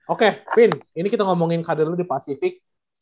oke vin ini kita ngomongin karyanya di pasifik